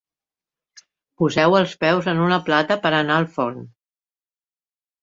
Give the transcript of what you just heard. Poseu els peus en una plata per anar al forn.